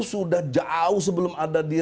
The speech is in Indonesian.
sudah jauh sebelum ada di dalam